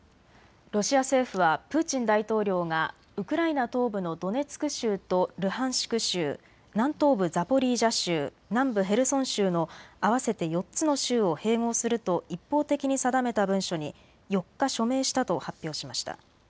ロシア政府はプーチン大統領がウクライナ東部のドネツク州とルハンシク州、南東部ザポリージャ州、南部ヘルソン州の合わせて４つの州を併合すると一方的に定めた文書に４日、署名したと発表しました。